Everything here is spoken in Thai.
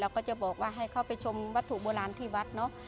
ก็จะบอกว่าให้เขาไปชมวัตถุโบราณที่วัดเนอะ